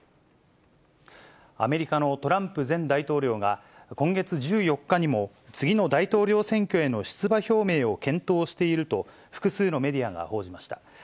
アメリカのトランプ前大統領が、今月１４日にも、次の大統領選挙への出馬表明を検討していると、複数のメディアが報じました。